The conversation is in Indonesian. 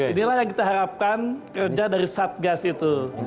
inilah yang kita harapkan kerja dari satgas itu